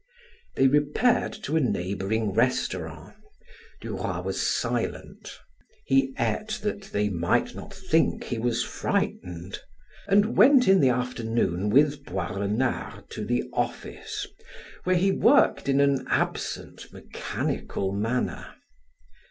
They repaired to a neighboring restaurant. Duroy was silent. He ate that they might not think he was frightened, and went in the afternoon with Boisrenard to the office, where he worked in an absent, mechanical manner.